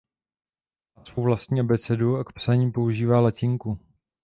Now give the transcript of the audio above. Má svou vlastní abecedu a k psaní používá latinku.